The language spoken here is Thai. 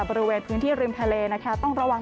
บริเวณพื้นที่ริมทะเลนะคะต้องระวัง